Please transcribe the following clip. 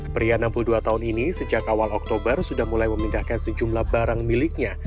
pria enam puluh dua tahun ini sejak awal oktober sudah mulai memindahkan sejumlah barang miliknya